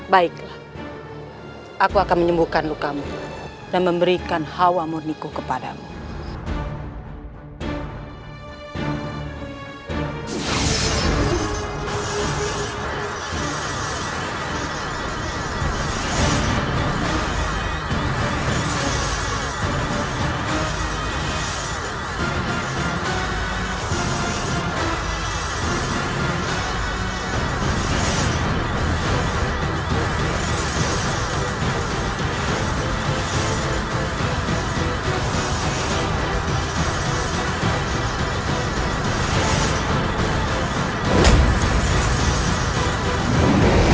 baiklah aku akan menyembuhkan rukamu dan memberikan hawa murniku kepadamu